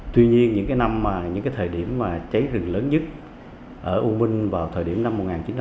tuy nhiên những thời điểm cháy rừng lớn nhất ở u minh vào thời điểm năm một nghìn chín trăm tám mươi ba